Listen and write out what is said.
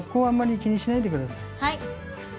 はい！